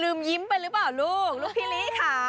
ยิ้มไปหรือเปล่าลูกลูกพี่ลิค่ะ